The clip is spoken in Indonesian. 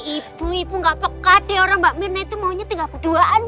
ibu ibu enggak pekade orang mbak mirna itu maunya tinggal berduaan